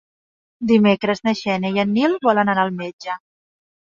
Dimecres na Xènia i en Nil volen anar al metge.